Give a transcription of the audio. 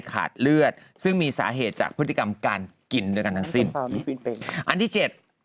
ขาดเลือดซึ่งมีสาเหตุจากพฤติกรรมการกินด้วยกันทั้งสิ้นตอนนี้อันที่เจ็ด